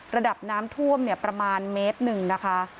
ระดับน้ำท่วมประมาณเมตรหนึ่งนะคะ